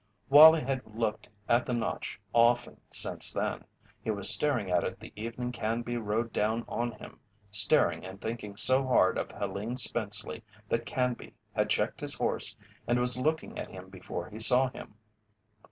Wallie had looked at the notch often since then. He was staring at it the evening Canby rode down on him staring and thinking so hard of Helene Spenceley that Canby had checked his horse and was looking at him before he saw him.